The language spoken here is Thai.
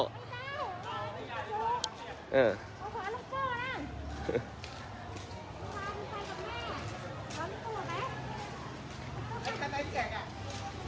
ว้าว